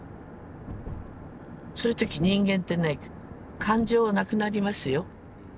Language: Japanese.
そういう時人間ってね感情なくなりますよ。